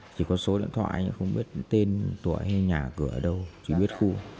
chỉ có số điện thoại không biết tên tuổi nhà cửa ở đâu chỉ biết khu